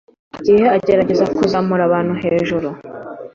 buri gihe agerageza kuzamura abantu hejuru